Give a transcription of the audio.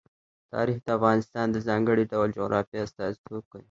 تاریخ د افغانستان د ځانګړي ډول جغرافیه استازیتوب کوي.